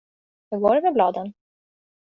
Hur går det med bladen?